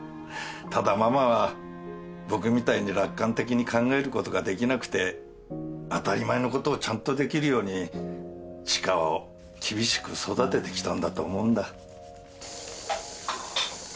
ただママは僕みたいに楽観的に考えることができなくて当たり前のことをちゃんとできるように知花を厳しく育ててきたんだと思うんだ。